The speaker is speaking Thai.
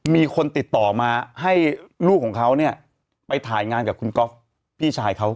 มีคนติดต่อมาให้ลูกของเขาเนี่ยไปถ่ายงานกับคุณก๊อฟพี่ชายเขา